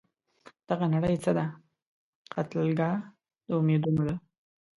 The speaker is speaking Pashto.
دغه نړۍ څه ده؟ قتلګاه د امیدونو ده